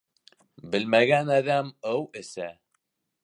Белмәгән әҙәм ыу эсә.